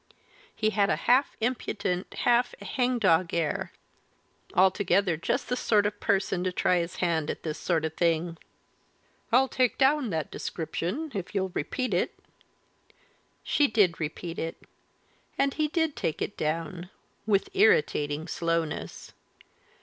He had a half impudent, half hang dog air altogether just the sort of person to try his hand at this sort of thing." "I'll take down that description, if you'll repeat it." She did repeat it and he did take it down, with irritating slowness.